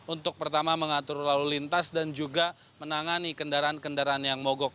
untuk pertama mengatur lalu lintas dan juga menangani kendaraan kendaraan yang mogok